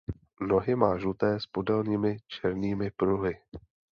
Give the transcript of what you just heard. Nohy má žluté s podélnými černými pruhy.